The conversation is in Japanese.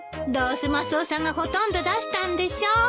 どうせマスオさんがほとんど出したんでしょ。